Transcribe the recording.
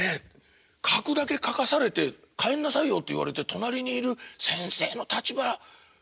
描くだけ描かされて帰んなさいよって言われて隣にいる先生の立場はないよね。